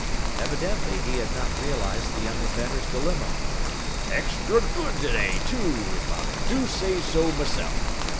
Evidently he had not realized the young inventor's dilemma! "Extra good today too, if I do say so myself!"